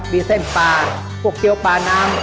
มีเส้นปลาพวกเกี้ยวปลาน้ำ